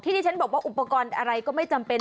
ที่ที่ฉันบอกว่าอุปกรณ์อะไรก็ไม่จำเป็น